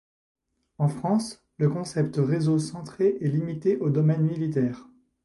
En France, le concept réseau centré est limité au domaine militaire.